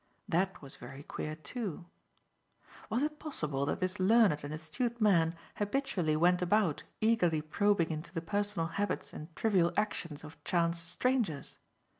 That was very queer, too. Was it possible that this learned and astute man habitually went about eagerly probing into the personal habits and trivial actions of chance strangers?